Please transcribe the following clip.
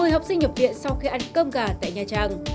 một mươi học sinh nhập viện sau khi ăn cơm gà tại nhà trang